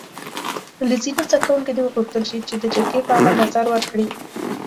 له ځینو زده کوونکو دې وغوښتل شي چې د جرګې په اړه نظر ورکړي.